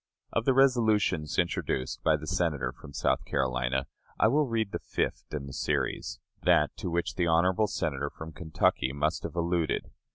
Of the resolutions introduced by the Senator from South Carolina, I will read the fifth in the series, that to which the honorable Senator from Kentucky must have alluded.